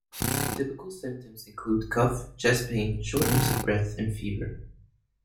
Typical symptoms include cough, chest pain, shortness of breath and fever.